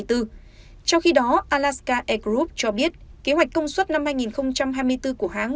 trong khi đó alaska air group cho biết kế hoạch công suất năm hai nghìn hai mươi bốn của hãng